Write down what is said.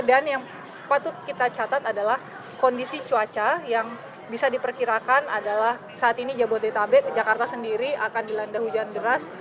dan yang patut kita catat adalah kondisi cuaca yang bisa diperkirakan adalah saat ini jabodetabek jakarta sendiri akan dilanda hujan deras